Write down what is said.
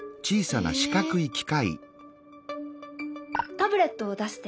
タブレットを出して。